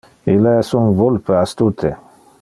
Ille es un vulpe astute.